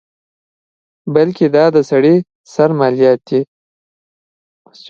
بلکې دا د سړي سر مالیات دي.